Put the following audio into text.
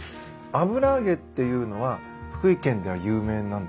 油揚げっていうのは福井県では有名なんですか？